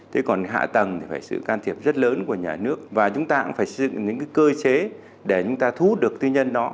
thế còn hạ tầng thì phải sự can thiệp rất lớn của nhà nước và chúng ta cũng phải sử dụng những cái cơ chế để chúng ta thu hút được tư nhân đó